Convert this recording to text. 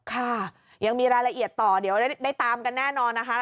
ค่ะยังมีรายละเอียดต่อเดี๋ยวได้ตามกันแน่นอนนะคะ